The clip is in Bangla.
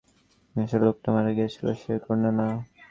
দ্বিতীয় যে লোকটা মারা গিয়েছিল সে কর্ণ না।